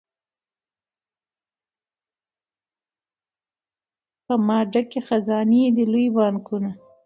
په ما ډکي خزانې دي لوی بانکونه